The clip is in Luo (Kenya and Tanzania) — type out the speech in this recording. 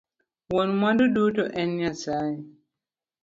Wuon mwandu duto en nyasaye